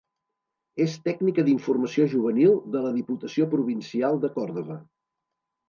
És tècnica d'informació juvenil de la Diputació Provincial de Còrdova.